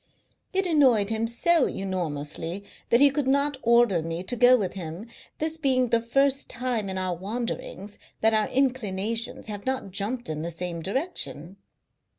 It annoyed him so enormously that he could not order me to go with him, this being the first time in our wanderings that our inclinations have not jumped in the same direction.